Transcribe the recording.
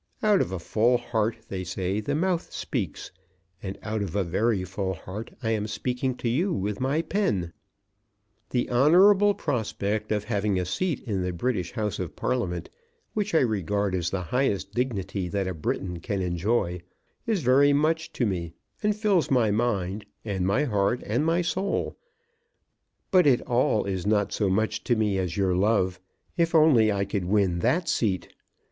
Out of a full heart they say the mouth speaks, and out of a very full heart I am speaking to you with my pen. The honourable prospect of having a seat in the British House of Parliament, which I regard as the highest dignity that a Briton can enjoy, is very much to me, and fills my mind, and my heart, and my soul; but it all is not so much to me as your love, if only I could win that seat.